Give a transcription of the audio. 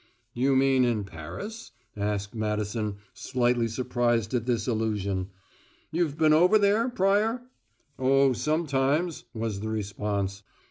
"You mean in Paris?" asked Madison, slightly surprised at this allusion. "You've been over there, Pryor?" "Oh, sometimes," was the response.